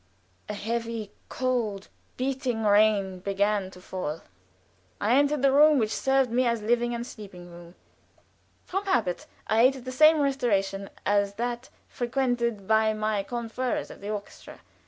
A heavy, cold, beating rain began to fall. I entered the room which served me as living and sleeping room. From habit I ate and drank at the same restauration as that frequented by my confrères of the orchestra.